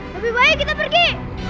lebih baik kita pergi